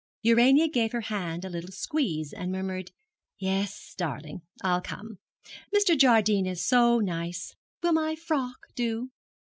Urania gave her hand a little squeeze, and murmured, 'Yes, darling, I'll come: Mr. Jardine is so nice. Will my frock do?'